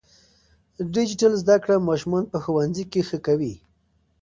ډیجیټل زده کړه ماشومان په ښوونځي کې ښه کوي.